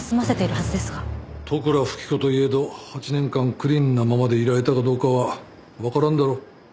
利倉富貴子と言えど８年間クリーンなままでいられたかどうかはわからんだろ。